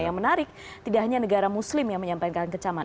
yang menarik tidak hanya negara muslim yang menyampaikan kecaman